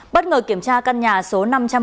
bất ngờ kiểm tra căn nhà số năm trăm bốn mươi ba